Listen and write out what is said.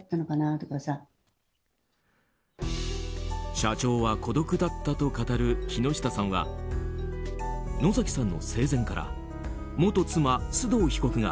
社長は孤独だったと語る木下さんは野崎さんの生前から元妻・須藤被告が